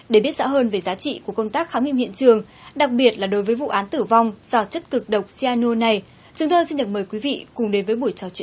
để biết rõ hơn về giá trị của vụ án chúng tôi sẽ giải quyết các vấn đề này